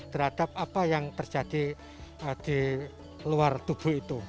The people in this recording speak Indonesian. terhadap apa yang terjadi di luar tubuh itu